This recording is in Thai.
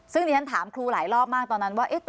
ซึ่งดิฉันถามครูหลายรอบมากตอนนั้นว่า